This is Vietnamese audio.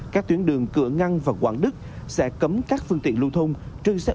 các tuyến đường cửa ngăn và quảng đức sẽ cấm các phương tiện lưu thông